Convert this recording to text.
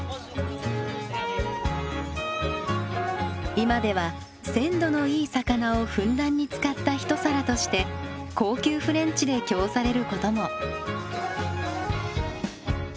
今では鮮度のいい魚をふんだんに使った一皿として高級フレンチで供されることも。